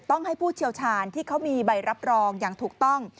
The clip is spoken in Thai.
ต้องให้ผู้เชี่ยวชาญที่เขามีใบรับรองอย่างถูกต้อง